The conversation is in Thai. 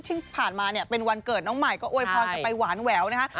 ซึ่งผ่านมาเนี่ยเป็นวันเกิดน้องใหม่ก็อวยพรกันไปหวานแหววนะคะ